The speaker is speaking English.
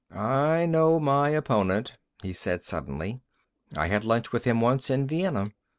"I know my opponent," he said suddenly. "I had lunch with him once in Vienna.